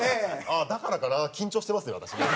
ああだからかな緊張してますね私ね。